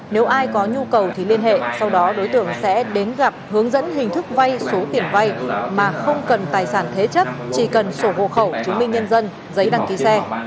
nếu ai có nhu cầu thì liên hệ sau đó đối tượng sẽ đến gặp hướng dẫn hình thức vay số tiền vay mà không cần tài sản thế chấp chỉ cần sổ hộ khẩu chứng minh nhân dân giấy đăng ký xe